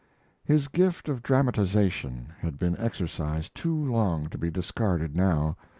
His gift of dramatization had been exercised too long to be discarded now.